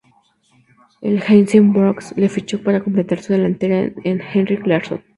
El Helsingborgs le fichó para completar su delantera, con Henrik Larsson.